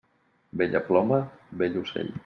Bella ploma, bell ocell.